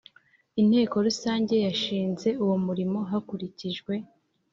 Inteko Rusange yashinze uwo murimo hakurikijwe